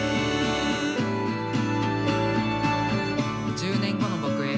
１０年後の僕へ。